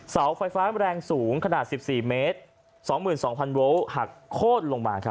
เสาไฟฟ้าแรงสูงขนาด๑๔เมตร๒๒๐๐โวลต์หักโค้นลงมา